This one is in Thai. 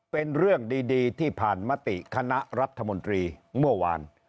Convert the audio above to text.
เป็นเรื่องดีที่ผ่านมติคณะรัฐมนตรีเมื่อวาน